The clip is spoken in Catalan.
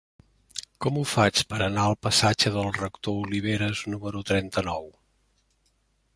Com ho faig per anar al passatge del Rector Oliveras número trenta-nou?